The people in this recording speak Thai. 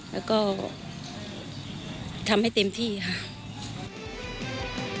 แล้วก็ทำให้เต็มที่ค่ะ